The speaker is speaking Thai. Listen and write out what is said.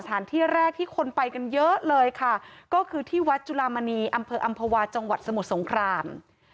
ที่แรกที่คนไปกันเยอะเลยค่ะก็คือที่วัดจุลามณีอำเภออำภาวาจังหวัดสมุทรสงคราม